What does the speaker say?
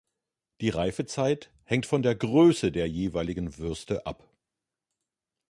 Die Reifezeit hängt von der Größe der jeweiligen Würste ab.